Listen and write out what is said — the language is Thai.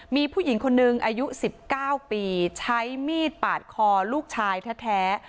มีผู้หญิงคนนึงอายุ๑๙ปีใช้มีดปาดคอลูกชายแท้